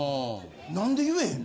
なんで言えへんの？